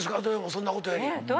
そんなことより。